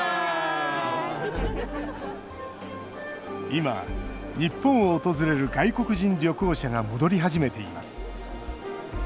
今、日本を訪れる外国人旅行者が戻り始めています。